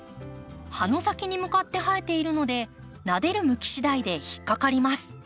葉の先に向かって生えているのでなでる向きしだいで引っ掛かります。